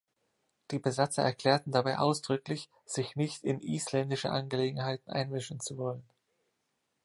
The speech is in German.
Die Besatzer erklärten dabei ausdrücklich, sich nicht in isländische Angelegenheiten einmischen zu wollen.